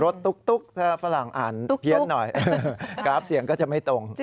ตุ๊กถ้าฝรั่งอ่านเพี้ยนหน่อยกราฟเสียงก็จะไม่ตรง